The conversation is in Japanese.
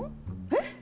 えっ？